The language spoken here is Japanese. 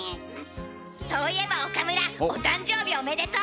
そういえば岡村お誕生日おめでとう！